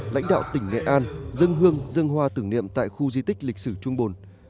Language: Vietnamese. lãnh đạo tỉnh nghệ an dân hương dân hoa tưởng niệm tại khu di tích lịch sử trung bồn